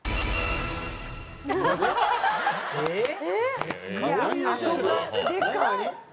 えっ！